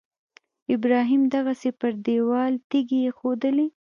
ابراهیم دغسې پر دېوال تیږې ایښودلې.